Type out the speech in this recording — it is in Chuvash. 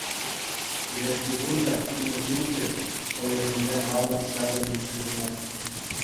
Кӗлетки пур та, чунӗ ҫук тет хӑй ӑшӗнче Маруҫ ҫакӑн йышшисене.